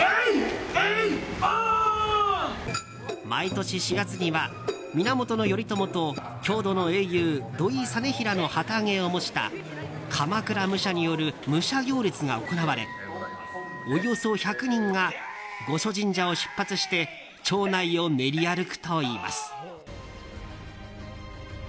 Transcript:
毎年４月には、源頼朝と郷土の英雄・土肥実平の旗挙げを模した鎌倉武者による武者行列が行われおよそ１００人が五所神社を出発して町内を練り歩くといいます。